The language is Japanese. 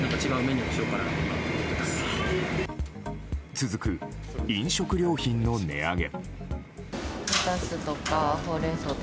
続く飲食料品の値上げ。